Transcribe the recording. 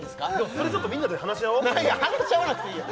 それちょっとみんなで話し合おう話し合わなくていいよ